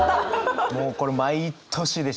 もうこれ毎年でしたね。